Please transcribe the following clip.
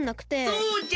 そうじゃ！